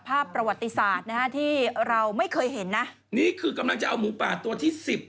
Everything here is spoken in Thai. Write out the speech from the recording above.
ภาพประวัติศาสตร์นะฮะที่เราไม่เคยเห็นนะนี่คือกำลังจะเอาหมูป่าตัวที่สิบ